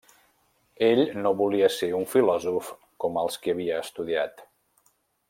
Ell no volia ser un filòsof com els que havia estudiat.